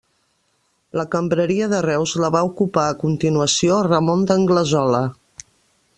La cambreria de Reus la va ocupar a continuació Ramon d'Anglesola.